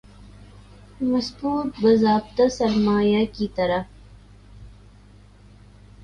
مضبوط باضابطہ سرمایہ کی طرح